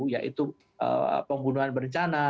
yaitu pembunuhan berencana